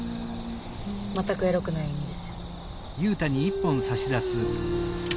全くエロくない意味で。